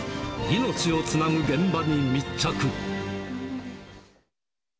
命をつなぐ現場に密着。